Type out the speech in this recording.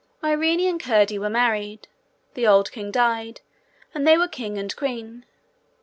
Irene and Curdie were married. The old king died, and they were king and queen.